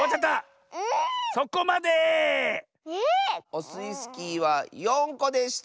オスイスキーは４こでした。